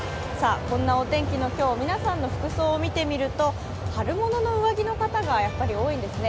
そんなお天気の今日、皆さんの服装を見てみると春物の上着の方がやっぱり多いんですね。